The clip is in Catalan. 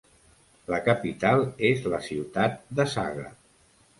La capital és la ciutat de Saga.